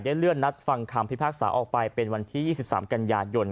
เลื่อนนัดฟังคำพิพากษาออกไปเป็นวันที่๒๓กันยายน